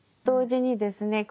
同時にですね